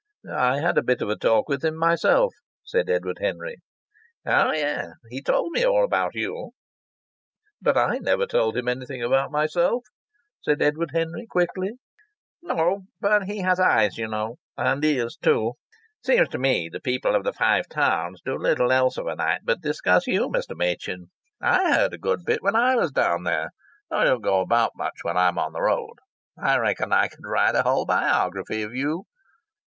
"I had a bit of a talk with him myself," said Edward Henry. "Oh, yes! He told me all about you." "But I never told him anything about myself," said Edward Henry, quickly. "No, but he has eyes, you know, and ears too. Seems to me the people of the Five Towns do little else of a night but discuss you, Mr. Machin. I heard a good bit when I was down there, though I don't go about much when I'm on the road. I reckon I could write a whole biography of you."